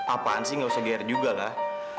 apaan sih gak usah geer juga lah